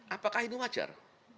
apakah ini wajar